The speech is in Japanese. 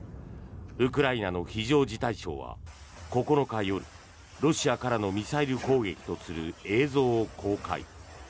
ウクライナの非常事態省は９日夜ロシアからのミサイル攻撃とする映像を公開。